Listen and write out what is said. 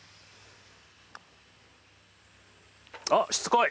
あっしつこい。